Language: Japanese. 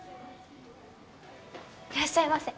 いらっしゃいませ。